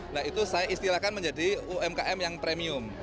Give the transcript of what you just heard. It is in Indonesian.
nah itu saya istilahkan menjadi umkm yang premium